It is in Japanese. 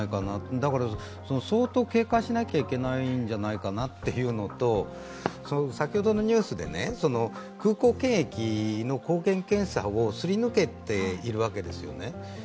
だから、相当警戒しなきゃいけないんじゃないかなというのと先ほどのニュースで、空港検疫の抗原検査をすり抜けているわけですよね。